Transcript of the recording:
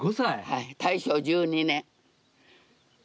はい大正１２年。